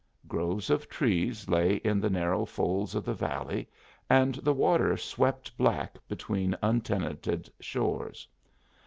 Groves of trees lay in the narrow folds of the valley, and the water swept black between untenanted shores.